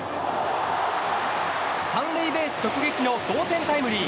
３塁ベース直撃の同点タイムリー。